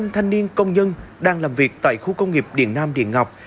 hai năm trăm linh thanh niên công nhân đang làm việc tại khu công nghiệp điện nam điện ngọc